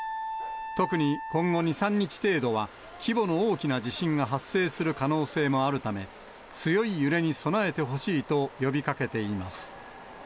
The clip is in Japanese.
特に今後２、３日程度は、規模の大きな地震が発生する可能性もあるため、強い揺れに備えてほしいと呼びかけています。